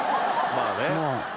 まあね。